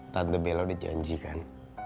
tante bela udah janji kan